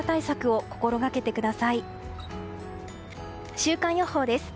週間予報です。